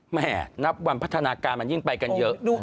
แม่นับวันพัฒนาการมันยิ่งไปกันเยอะ